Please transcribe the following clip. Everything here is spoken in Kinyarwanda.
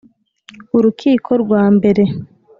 urukiko rwa mbere